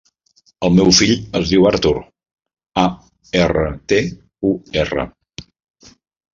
El meu fill es diu Artur: a, erra, te, u, erra.